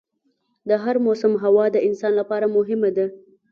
د هر موسم هوا د انسان لپاره مهم ده.